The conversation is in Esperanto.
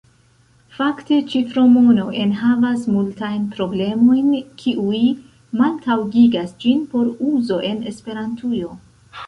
Fakte ĉifromono enhavas multajn problemojn, kiuj maltaŭgigas ĝin por uzo en Esperantujo.